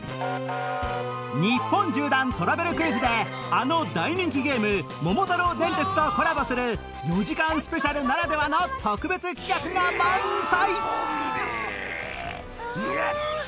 日本縦断トラベルクイズであの大人気ゲーム『桃太郎電鉄』とコラボする４時間スペシャルならではの特別企画が満載！